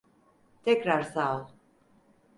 Tekrar sağ ol.